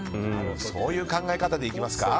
そういう考え方でいきますか。